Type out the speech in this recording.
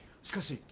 しかし。